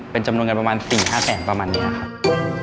เป็นจำนวนเงินประมาณ๔๕แสนประมาณนี้ครับ